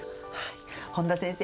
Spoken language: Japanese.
本田先生